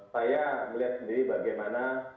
saya melihat sendiri bagaimana